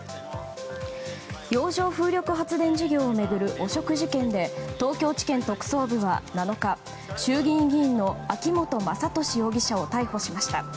洋上風力発電事業を巡る汚職事件で東京地検特捜部は７日衆議院議員の秋本真利容疑者を逮捕しました。